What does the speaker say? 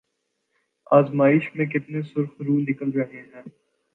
آزمائش میں کتنے سرخرو نکل رہے ہیں۔